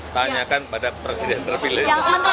tanyakan pada presiden terpilih